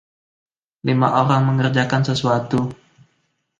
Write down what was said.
Lima orang mengerjakan sesuatu.